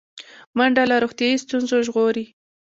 منډه له روغتیایي ستونزو ژغوري